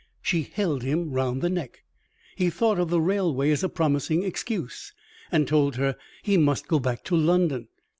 She held him round the neck. He thought of the railway as a promising excuse, and told her he must go back to London.